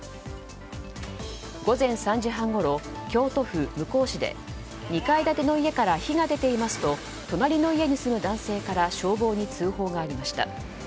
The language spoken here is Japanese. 午前３時半ごろ、京都府向日市で２階建ての家から火が出ていますと隣の家に住む男性から消防に通報がありました。